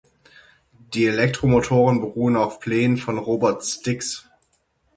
Die Elektromotoren beruhen auf Plänen von Robert Stix.